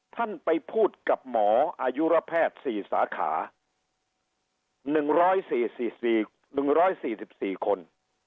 ท่านไปพูดกับหมออายุระแพทย์๔สาขา๑๔๑๔๔คน